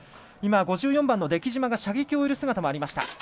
今、５４番の出来島が射撃を終える場面がありました。